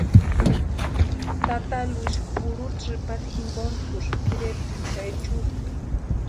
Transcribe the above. Tata Luisi purhu tsïpata jinkontkusï tʼirempti ka echutʼa.